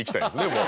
もう。